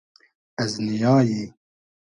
از نییای